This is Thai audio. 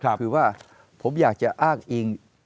คือว่าผมอยากจะอ้างอิง